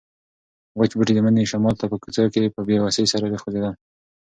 وچ بوټي د مني شمال ته په کوڅه کې په بې وسۍ سره خوځېدل.